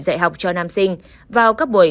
dạy học cho nam sinh vào các buổi